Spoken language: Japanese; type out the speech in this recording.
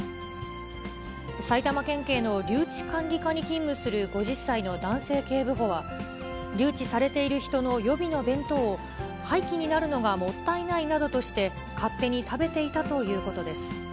埼玉県警の留置管理課に勤務する５０歳の男性警部補は、留置されている人の予備の弁当を、廃棄になるのがもったいないなどとして、勝手に食べていたということです。